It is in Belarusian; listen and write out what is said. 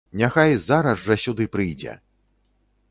Няхай зараз жа сюды прыйдзе!